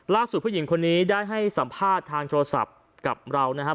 ผู้หญิงคนนี้ได้ให้สัมภาษณ์ทางโทรศัพท์กับเรานะครับ